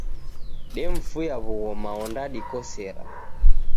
Demfuya w'ughoma ondadikosera.